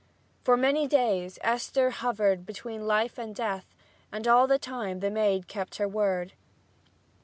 For many days Esther hovered between life and death and all the time the maid kept her word.